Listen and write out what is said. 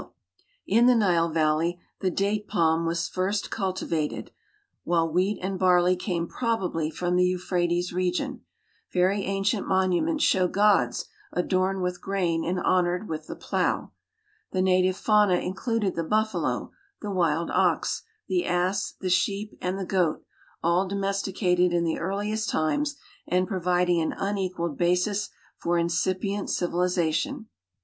2 THE NATIONAL GEOGRAPHIC SOCIETY In the Nile valley the date palm was first cultivated, whiU' wlieat and barley came probably from the Eui)lirates re<i;ion. Very ancient monu ments show gods adorned with grain and honored with the plow. The native fauna included the buffalo, the wild ox, the ass, the sheep, ami the goat, all domesticated in the earliest times and providing an un equaled basis for incipient civilization.